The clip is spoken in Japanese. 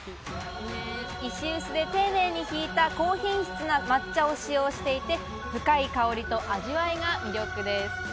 石臼で丁寧にひいた高品質な抹茶を使用していて、深い香りと味わいが魅力です。